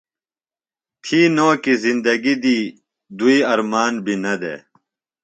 تھی نو کیۡ زندگیۡ دی دوئی ارمان بیۡ نہ دےۡ۔